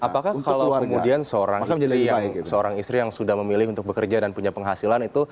apakah kalau kemudian seorang istri yang sudah memilih untuk bekerja dan punya penghasilan itu